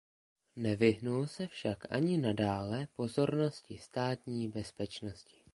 Nevyhnul se však ani nadále pozornosti Státní bezpečnosti.